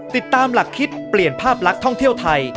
ติดตามหลักคิดเปลี่ยนภาพลักษณ์ท่องเที่ยวไทย